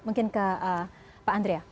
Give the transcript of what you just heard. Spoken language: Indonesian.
mungkin ke pak andrea